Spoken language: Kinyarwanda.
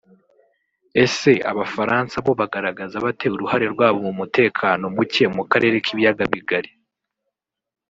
*Ese Abafaransa bo bagaragaza bate uruhare rwabo mu mutekano muke mu Karere k’ibiyaga bigari